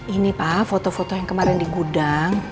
ini pak foto foto yang kemarin di gudang